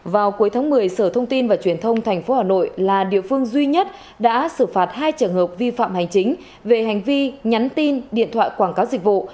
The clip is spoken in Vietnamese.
vào cuối tháng một mươi sở thông tin và truyền thông tp hà nội là địa phương duy nhất đã xử phạt hai trường hợp vi phạm hành chính về hành vi nhắn tin điện thoại quảng cáo dịch vụ